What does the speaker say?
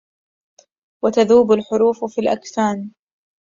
وتذوب الحروف في الأكفان